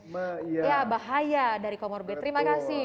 ya bahaya dari comorbid terima kasih